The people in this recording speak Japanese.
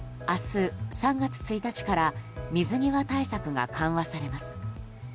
明日、３月１日から水際対策が緩和されます。